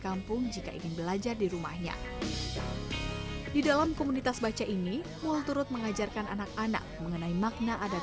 ajak dirumahnya di dalam komunitas baca ini mul turut mengajarkan anak anak mengenai makna adat